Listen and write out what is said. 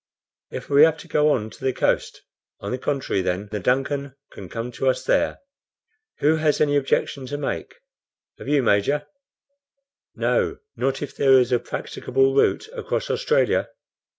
If we have to go on to the coast, on the contrary, then the DUNCAN can come to us there. Who has any objection to make? Have you, Major?" "No, not if there is a practicable route across Australia."